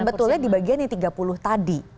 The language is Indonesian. sebetulnya di bagian yang tiga puluh tadi